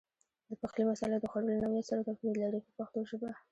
د پخلي مساله د خوړو له نوعیت سره توپیر لري په پښتو ژبه.